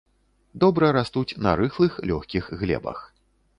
Добра растуць на рыхлых лёгкіх глебах.